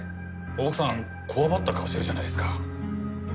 奥さんこわばった顔してるじゃないですか。